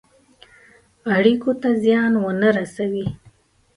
اړېکو ته زیان ونه رسوي.